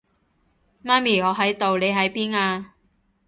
媽咪，我喺度，你喺邊啊？